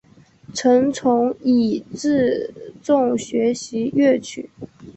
曾从尹自重学习粤曲。